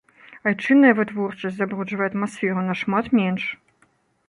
Айчынная вытворчасць забруджвае атмасферу нашмат менш.